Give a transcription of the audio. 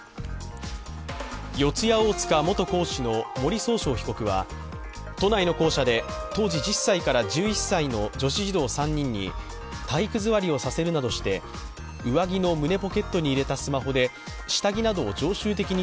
四谷大塚元講師の森崇翔被告は都内の校舎で、当時１０歳から１１歳の女子児童３人に体育座りをさせるなどして上着の胸ポケットに入れたスマホで下着などを常習的に